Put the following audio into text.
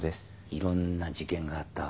いろんな事件があったわ。